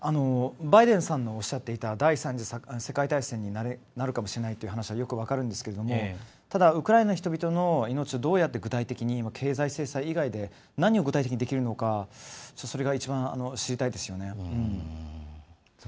バイデンさんがおっしゃっていた第３次世界大戦になるかもしれないという話はよく分かるんですけれどもただウクライナの人々の命をどうやって具体的に経済制裁以外で何を具体的にできるのかそれが一番知りたいですよね。